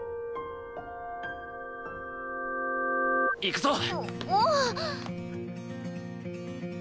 行くぞ！